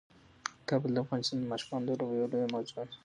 کابل د افغانستان د ماشومانو د لوبو یوه لویه موضوع ده.